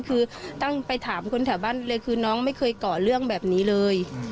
คือตั้งไปถามคนแถวบ้านเลยคือน้องไม่เคยเกาะเรื่องแบบนี้เลย